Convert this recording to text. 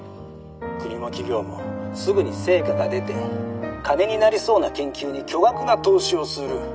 国も企業もすぐに成果が出て金になりそうな研究に巨額な投資をする。